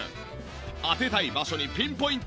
当てたい場所にピンポイント。